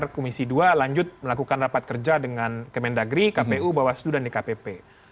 komisi dua lanjut melakukan rapat kerja dengan kemendagri kpu bawaslu dan dkpp